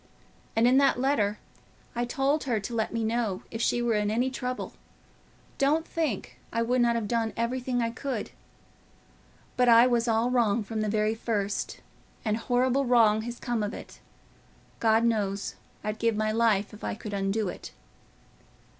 And in that letter I told her to let me know if she were in any trouble: don't think I would not have done everything I could. But I was all wrong from the very first, and horrible wrong has come of it. God knows, I'd give my life if I could undo it."